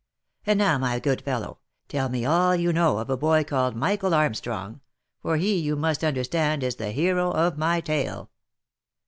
And now, my good fellow, tell me all you know of a boy called Michael Armstrong, for he you must un derstand, is the hero of my tale."